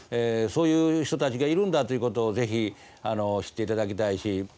そういう人たちがいるんだということを是非知っていただきたいし。